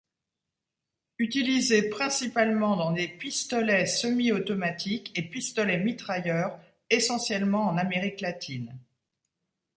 Utilisé principalement dans des pistolets semi-automatiques et pistolets mitrailleurs essentiellement en Amérique Latine.